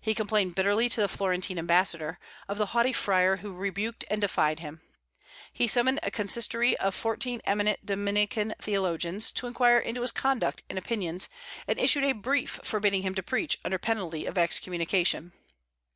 He complained bitterly to the Florentine ambassador, of the haughty friar who rebuked and defied him. He summoned a consistory of fourteen eminent Dominican theologians, to inquire into his conduct and opinions, and issued a brief forbidding him to preach, under penalty of excommunication.